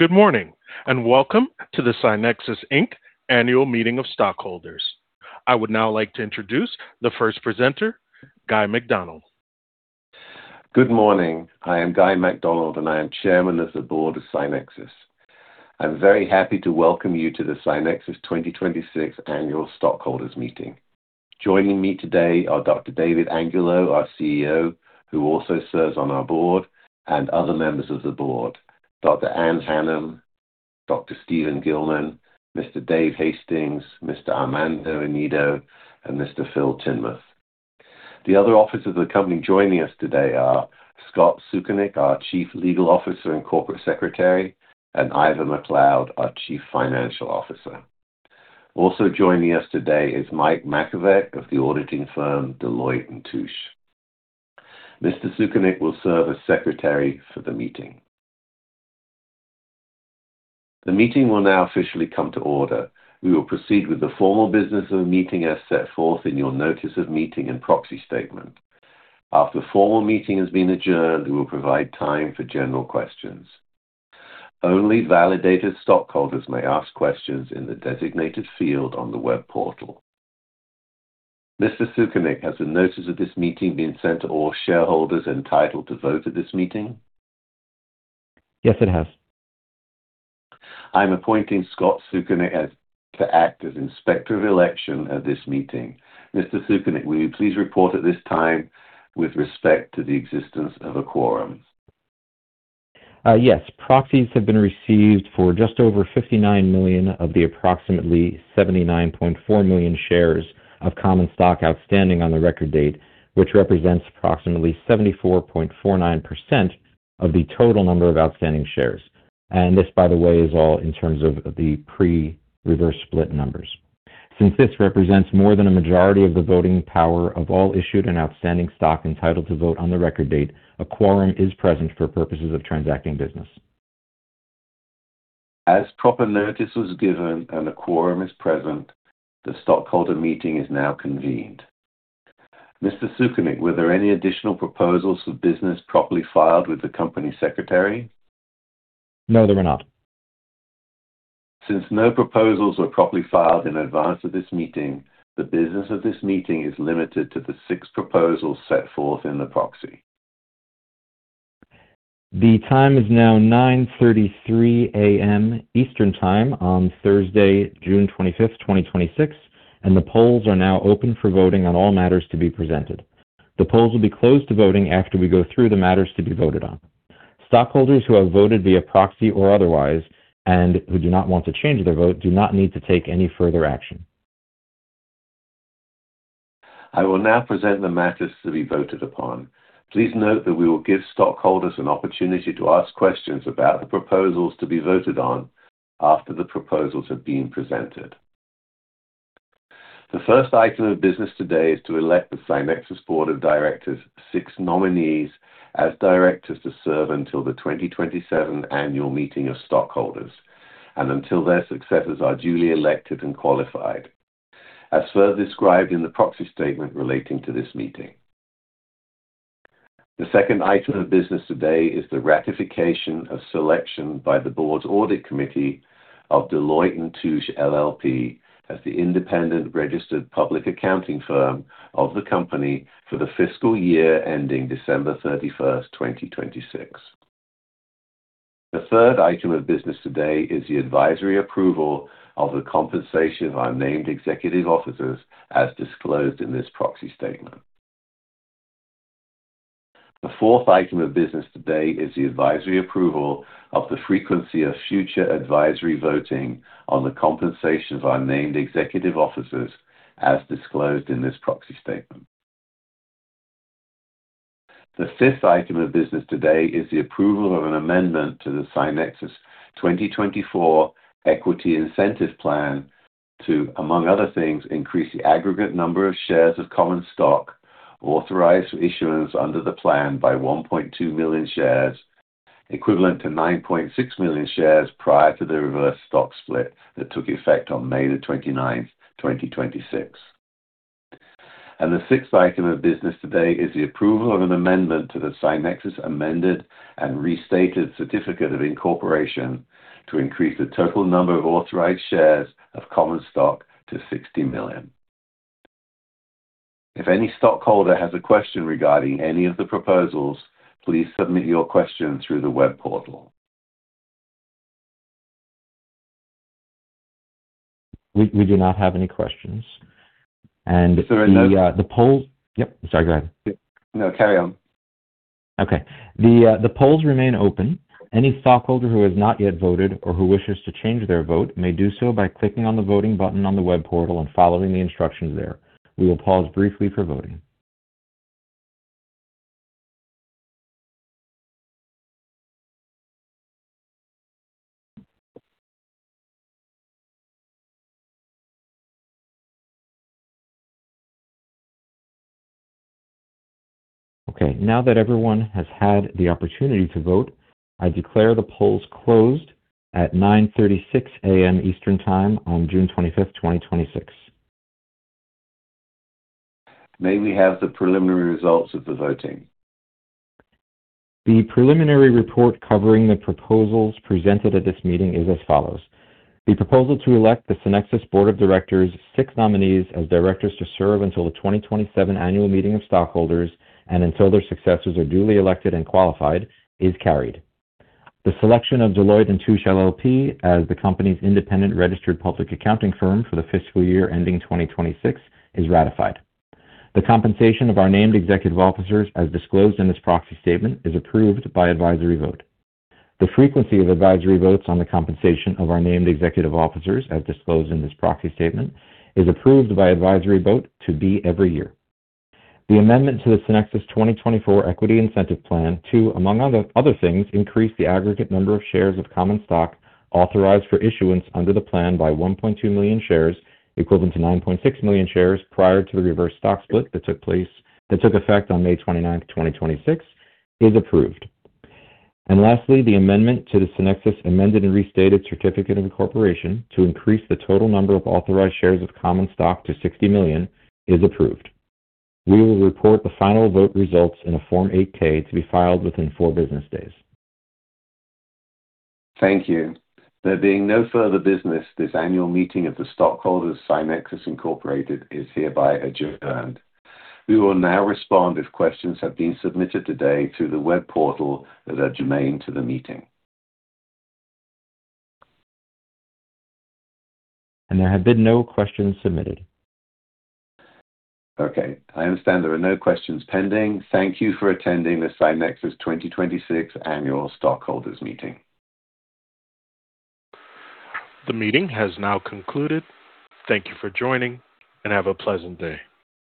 Good morning, and welcome to the SCYNEXIS, Inc. Annual Meeting of Stockholders. I would now like to introduce the first presenter, Guy Macdonald. Good morning. I am Guy Macdonald, and I am Chairman of the Board of SCYNEXIS. I'm very happy to welcome you to the SCYNEXIS 2026 Annual Stockholders Meeting. Joining me today are Dr. David Angulo, our CEO, who also serves on our board, and other members of the board, Dr. Ann Hanham, Dr. Steven Gilman, Mr. David Hastings, Mr. Armando Anido, and Mr. Philippe Tinmouth. The other officers of the company joining us today are Scott Sukenick, our Chief Legal Officer and Corporate Secretary, and Ivor Macleod, our Chief Financial Officer. Also joining us today is Mike Makovec of the auditing firm Deloitte & Touche. Mr. Sukenick will serve as secretary for the meeting. The meeting will now officially come to order. We will proceed with the formal business of the meeting as set forth in your notice of meeting and proxy statement. After the formal meeting has been adjourned, we will provide time for general questions. Only validated stockholders may ask questions in the designated field on the web portal. Mr. Sukenick, has a notice of this meeting been sent to all shareholders entitled to vote at this meeting? Yes, it has. I'm appointing Scott Sukenick to act as Inspector of Election at this meeting. Mr. Sukenick, will you please report at this time with respect to the existence of a quorum? Yes. Proxies have been received for just over 59 million of the approximately 79.4 million shares of common stock outstanding on the record date, which represents approximately 74.49% of the total number of outstanding shares. This, by the way, is all in terms of the pre-reverse split numbers. Since this represents more than a majority of the voting power of all issued and outstanding stock entitled to vote on the record date, a quorum is present for purposes of transacting business. As proper notice was given and a quorum is present, the stockholder meeting is now convened. Mr. Sukenick, were there any additional proposals for business properly filed with the company secretary? No, there were not. Since no proposals were properly filed in advance of this meeting, the business of this meeting is limited to the six proposals set forth in the proxy. The time is now 9:33 A.M. Eastern Time on Thursday, June 25th, 2026. The polls are now open for voting on all matters to be presented. The polls will be closed to voting after we go through the matters to be voted on. Stockholders who have voted via proxy or otherwise and who do not want to change their vote do not need to take any further action. I will now present the matters to be voted upon. Please note that we will give stockholders an opportunity to ask questions about the proposals to be voted on after the proposals have been presented. The first item of business today is to elect the SCYNEXIS Board of Directors' six nominees as directors to serve until the 2027 Annual Meeting of Stockholders and until their successors are duly elected and qualified, as further described in the proxy statement relating to this meeting. The second item of business today is the ratification of selection by the board's audit committee of Deloitte & Touche LLP as the independent registered public accounting firm of the company for the fiscal year ending December 31st, 2026. The third item of business today is the advisory approval of the compensation of our named executive officers as disclosed in this proxy statement. The fourth item of business today is the advisory approval of the frequency of future advisory voting on the compensation of our named executive officers as disclosed in this proxy statement. The fifth item of business today is the approval of an amendment to the SCYNEXIS 2024 Equity Incentive Plan to, among other things, increase the aggregate number of shares of common stock authorized for issuance under the plan by 1.2 million shares, equivalent to 9.6 million shares prior to the reverse stock split that took effect on May 29th, 2026. The sixth item of business today is the approval of an amendment to the SCYNEXIS amended and restated certificate of incorporation to increase the total number of authorized shares of common stock to 60 million. If any stockholder has a question regarding any of the proposals, please submit your question through the web portal. We do not have any questions. Sir, no. Yep. Sorry, go ahead. No, carry on. Okay. The polls remain open. Any stockholder who has not yet voted or who wishes to change their vote may do so by clicking on the voting button on the web portal and following the instructions there. We will pause briefly for voting. Okay. Now that everyone has had the opportunity to vote, I declare the polls closed at 9:36 A.M. Eastern Time on June 25th, 2026. May we have the preliminary results of the voting? The preliminary report covering the proposals presented at this meeting is as follows. The proposal to elect the SCYNEXIS Board of Directors six nominees as directors to serve until the 2027 annual meeting of stockholders and until their successors are duly elected and qualified is carried. The selection of Deloitte & Touche LLP as the company's independent registered public accounting firm for the fiscal year ending 2026 is ratified. The compensation of our named executive officers, as disclosed in this proxy statement, is approved by advisory vote. The frequency of advisory votes on the compensation of our named executive officers, as disclosed in this proxy statement, is approved by advisory vote to be every year. The amendment to the SCYNEXIS 2024 Equity Incentive Plan to, among other things, increase the aggregate number of shares of common stock authorized for issuance under the plan by 1.2 million shares, equivalent to 9.6 million shares prior to the reverse stock split that took effect on May 29th, 2026, is approved. Lastly, the amendment to the SCYNEXIS amended and restated certificate of incorporation to increase the total number of authorized shares of common stock to 60 million is approved. We will report the final vote results in a Form 8-K to be filed within four business days. Thank you. There being no further business, this annual meeting of the stockholders of SCYNEXIS Incorporated is hereby adjourned. We will now respond if questions have been submitted today through the web portal that are germane to the meeting. There have been no questions submitted. Okay. I understand there are no questions pending. Thank you for attending the SCYNEXIS 2026 Annual Stockholders' Meeting. The meeting has now concluded. Thank you for joining. Have a pleasant day.